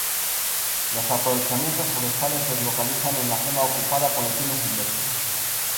Los aprovechamientos forestales se localizan en la zona ocupada por el pino silvestre.